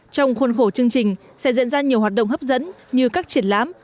trong khuôn khổ chương trình sẽ diễn ra nhiều hoạt động hấp dẫn như các triển lãm